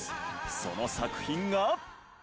その作品が。